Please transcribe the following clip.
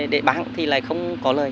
để bán thì là không có lợi